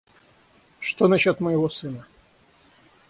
Что насчет моего сына?